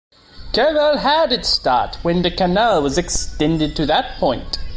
Carroll had its start when the canal was extended to that point.